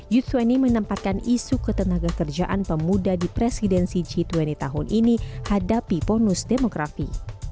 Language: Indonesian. u dua puluh menempatkan isu ketenaga kerjaan pemuda di presidensi g dua puluh tahun ini hadapi bonus demografi